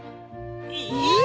えっ！？